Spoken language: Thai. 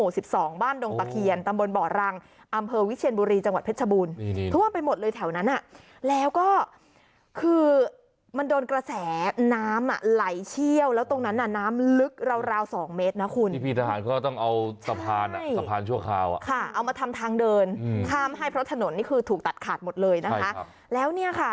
สะพานชั่วคราวเอามาทำทางเดินทำให้เพราะถนนนี้คือถูกตัดขาดหมดเลยนะคะ